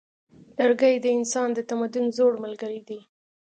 لرګی د انسان د تمدن زوړ ملګری دی.